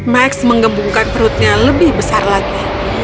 max menggembungkan perutnya lebih besar lagi